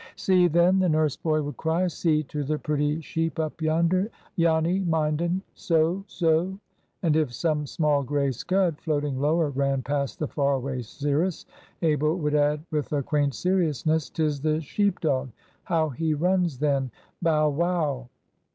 "See then!" the nurse boy would cry. "See to the pretty sheep up yonder! Janny mind un! So! so!" And if some small gray scud, floating lower, ran past the far away cirrus, Abel would add with a quaint seriousness, "'Tis the sheep dog. How he runs then! Bow wow!"